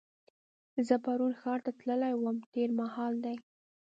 زه پرون ښار ته تللې وم تېر مهال دی.